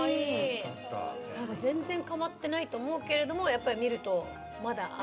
全然変わってないと思うけれどもやっぱり見ると。